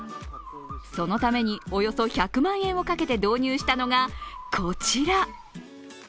そのために、およそ１００万円をかけて導入したのがこちら。